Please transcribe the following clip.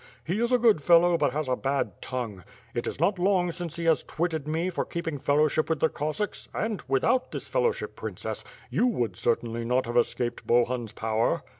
He is a good fellow but has a bad tongue. It is not long since he twitted me for keeping fellowship with the Cossacks and, without this fellowship, princess, you would certainly not have escaped Bohun's power."